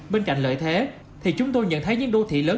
bên cạnh lợi thế thì chúng tôi nhận thấy những đô thị lớn